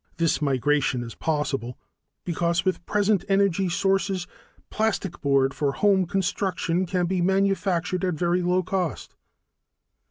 This migration is possible because with present energy sources, plastic board for home construction can be manufactured at very low cost.